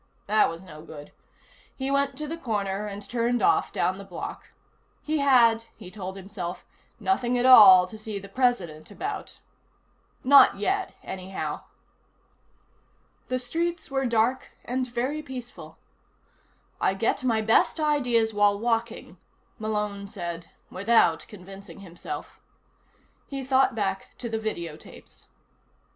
That was no good. He went to the corner and turned off, down the block. He had, he told himself, nothing at all to see the President about. Not yet, anyhow. The streets were dark and very peaceful. I get my best ideas while walking, Malone said without convincing himself. He thought back to the video tapes.